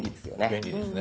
便利ですね。